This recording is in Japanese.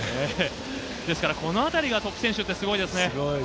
ですからこのあたりがトップすごいですね。